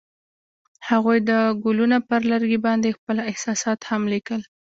هغوی د ګلونه پر لرګي باندې خپل احساسات هم لیکل.